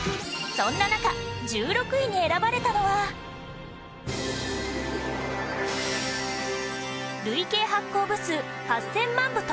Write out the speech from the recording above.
そんな中１６位に選ばれたのは累計発行部数８０００万部突破！